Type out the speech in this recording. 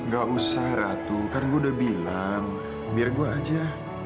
gak usah ratu kan gua udah bilang mir gua aja